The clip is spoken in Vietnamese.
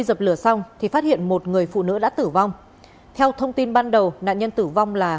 dập lửa xong thì phát hiện một người phụ nữ đã tử vong theo thông tin ban đầu nạn nhân tử vong là